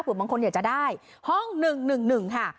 หรือบางคนอยากจะได้ห้องหนึ่งหนึ่งหนึ่งค่ะ